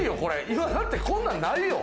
今だって、こんなのないよ。